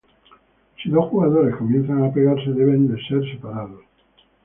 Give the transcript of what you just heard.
Si dos jugadores comienzan a pegarse, deben ser separados.